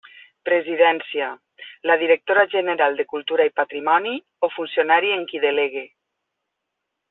Presidència: la directora general de Cultura i Patrimoni o funcionari en qui delegue.